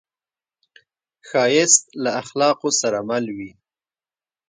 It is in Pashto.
ښایست له اخلاقو سره مل وي